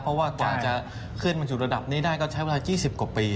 เพราะว่ากว่าจะขึ้นมาสู่ระดับนี้ได้ก็ใช้เวลา๒๐กว่าปี